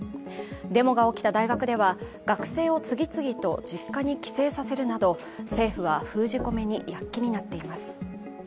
デモが起きた大学では学生を次々と実家に帰省させるなど政府は封じ込めに躍起になっています。